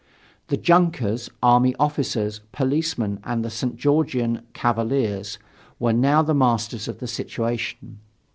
The junkers, army officers, policemen, and the St. Georgian cavaliers were now the masters of the situation.